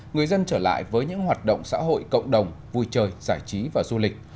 người dân trở lại với những hoạt động xã hội cộng đồng vui chơi giải trí và du lịch